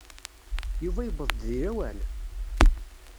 Yuba yuweḍ-d deg lawan?